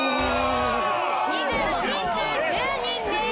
２５人中１０人です。